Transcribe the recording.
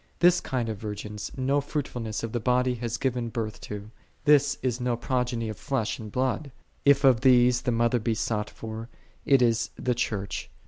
This kind of virgins no fruitfulness of the body hath given birth to: this is no progeny of flesh and blood. If of these the mother be sought for, it is the Church.